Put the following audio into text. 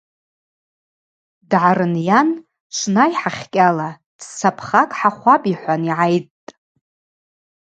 Дгӏарынйан – Швнай хӏахькӏьала, цца пхакӏ хӏахвапӏ, – йхӏван йгӏайдтӏ.